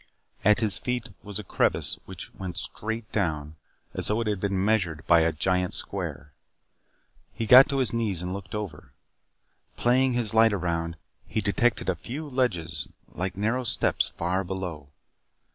At his feet was a crevice which went straight down as though it had been measured by a giant square. He got to his knees and looked over. Playing his light around he detected a few ledges like narrow steps far below.